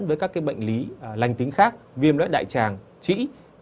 rất hay lẫn với các bệnh lý lành tính khác viêm loại đại tràng trĩ